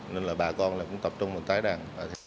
nên bà con cũng tập trung vào tái đàn